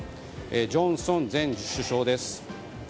ジョンソン前首相です。